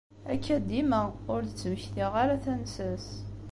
Akka dima, ur d-ttmektiɣ ara tansa-s.